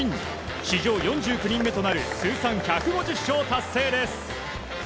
史上４９人目となる通算１５０勝達成です。